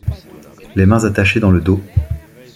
Les mains attachées dans le dos.